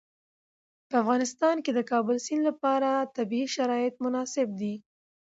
په افغانستان کې د د کابل سیند لپاره طبیعي شرایط مناسب دي.